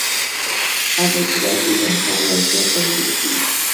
ازادي راډیو د هنر وضعیت انځور کړی.